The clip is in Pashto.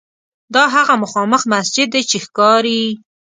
دا هغه مخامخ مسجد دی چې ښکاري.